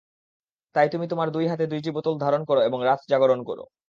তাই তুমি তোমার দুই হাতে দুইটি বোতল ধারণ কর এবং রাত জাগরণ কর।